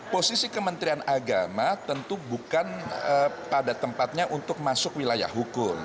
posisi kementerian agama tentu bukan pada tempatnya untuk masuk wilayah hukum